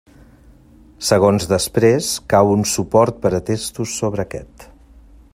Segons després cau un suport per a testos sobre aquest.